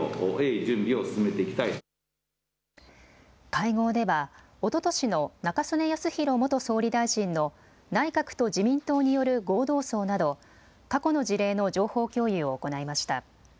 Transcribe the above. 会合では、おととしの中曽根康弘元総理大臣の内閣と自民党による合同葬など過去の事例の情報共有を行いました。